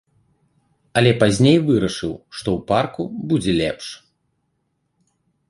Але пазней вырашыў, што ў парку будзе лепш.